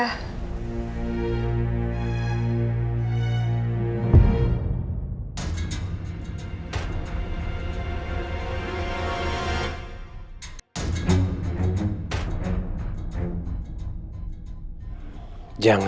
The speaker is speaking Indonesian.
aku mau ke rumah